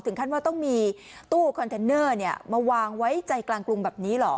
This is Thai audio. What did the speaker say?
ขั้นว่าต้องมีตู้คอนเทนเนอร์มาวางไว้ใจกลางกรุงแบบนี้เหรอ